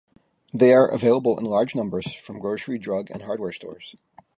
They are available in large numbers from grocery, drug, and hardware stores.